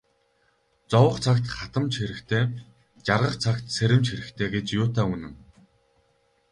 Зовох цагт хатамж хэрэгтэй, жаргах цагт сэрэмж хэрэгтэй гэж юутай үнэн.